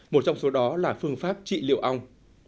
một trong số đó là phương pháp trị liệu ong